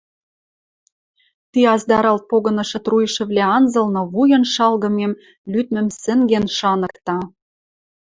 ти аздаралт погынышы труйышывлӓ анзылны вуйын шалгымем лӱдмӹм сӹнген шаныкта: